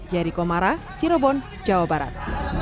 jerry komara cirebon jawa barat